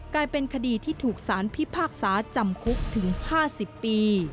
กลายเป็นคดีที่ถูกสารพิพากษาจำคุกถึง๕๐ปี